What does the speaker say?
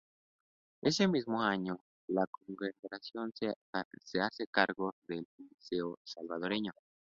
Ese mismo año, la Congregación se hace cargo de el Liceo Salvadoreño.